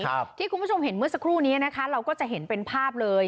เราเห็นเมื่อสักครู่นี้นะคะเราก็จะเห็นเป็นภาพเลย